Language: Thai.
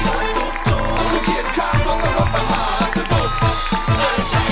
มันมันรถอะไรอย่าดูไม่เหมือนรถประทุก